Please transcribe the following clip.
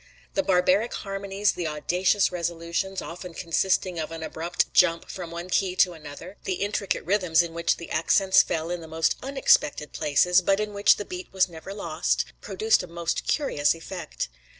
The barbaric harmonies, the audacious resolutions, often consisting of an abrupt jump from one key to another, the intricate rhythms in which the accents fell in the most unexpected places, but in which the beat was never lost, produced a most curious effect.